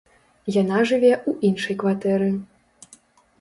Яна жыве ў іншай кватэры.